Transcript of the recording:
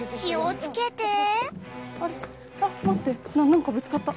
何かぶつかった？